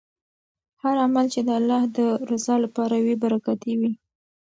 هر عمل چې د الله د رضا لپاره وي برکتي وي.